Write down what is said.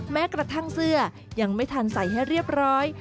แม้กระทั่งเสื้อยังไม่ทันใส่ให้เรียบร้อย